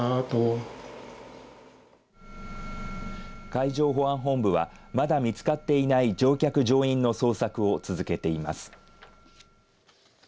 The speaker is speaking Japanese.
海上保安本部はまだ見つかっていない乗客、乗員の捜索を続けています。